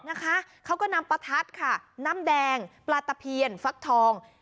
นะคะเขาก็นำประทัดค่ะน้ำแดงปลาตะเพียนฟักทอง